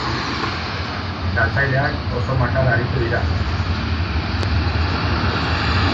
Galtzaileak oso makal aritu dira.